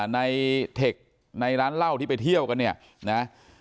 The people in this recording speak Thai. เทคในร้านเหล้าที่ไปเที่ยวกันเนี่ยนะ